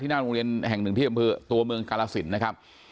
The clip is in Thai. หน้าโรงเรียนแห่งหนึ่งที่อำเภอตัวเมืองกาลสินนะครับ